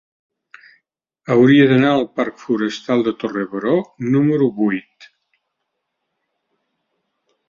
Hauria d'anar al parc Forestal de Torre Baró número vuit.